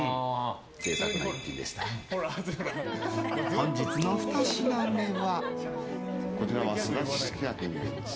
本日の２品目は。